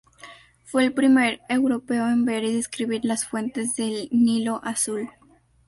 Fue el primer europeo en ver y describir las fuentes del Nilo Azul.